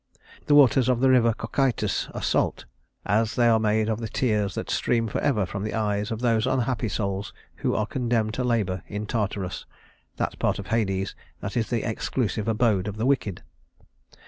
The waters of the river Cocytus are salt, as they are made of the tears that stream forever from the eyes of those unhappy souls who are condemned to labor in Tartarus that part of Hades that is the exclusive abode of the wicked.